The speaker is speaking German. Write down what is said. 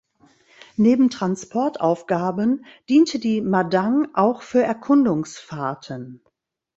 Neben Transportaufgaben diente die "Madang" auch für Erkundungsfahrten.